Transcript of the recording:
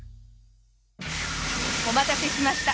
お待たせしました。